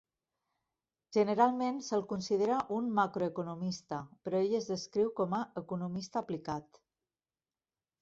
Generalment se'l considera un macroeconomista, però ell és descriu com a "economista aplicat".